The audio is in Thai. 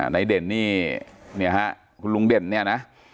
นายเด่นนี่นี่ฮะคุณลุงเด่นนี่นะ